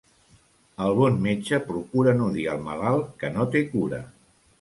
El bon metge procura no dir al malalt que no té cura.